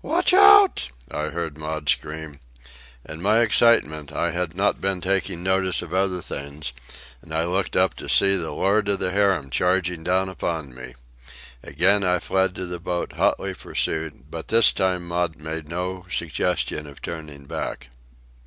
"Watch out!" I heard Maud scream. In my excitement I had not been taking notice of other things, and I looked up to see the lord of the harem charging down upon me. Again I fled to the boat, hotly pursued; but this time Maud made no suggestion of turning back.